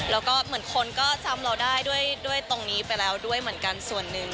แล้วก็เหมือนคนก็จำเราได้ด้วยตรงนี้ไปแล้วด้วยเหมือนกันส่วนหนึ่ง